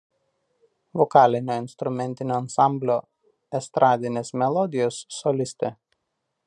Vokalinio instrumentinio ansamblio „Estradinės melodijos“ solistė.